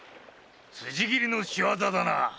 辻斬りの仕業だな。